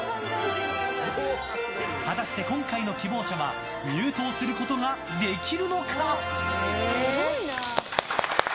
果たして、今回の希望者は入党することができるのか。